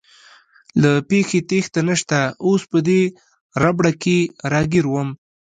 له پېښې تېښته نشته، اوس په دې ربړه کې راګیر ووم.